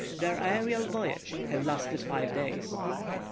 Their aerial voyage had lasted five days.